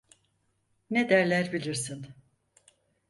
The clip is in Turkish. Ne derler bilirsin…